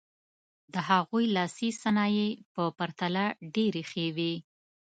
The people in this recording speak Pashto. د هغوی لاسي صنایع په پرتله ډېرې ښې وې.